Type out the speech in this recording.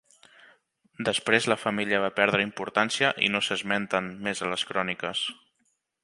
Després la família va perdre importància i no s'esmenten més a les cròniques.